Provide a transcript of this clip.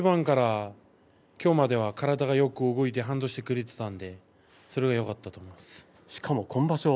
きょうまでは体がよく動いていましたそれがよかったと思います。